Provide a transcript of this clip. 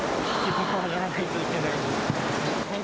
やらないといけないですね。